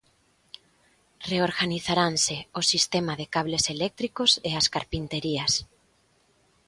Reorganizaranse o sistema de cables eléctricos e as carpinterías.